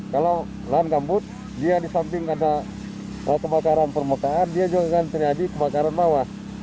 kalau lahan gambut dia di samping ada kebakaran permukaan dia juga akan terjadi kebakaran bawah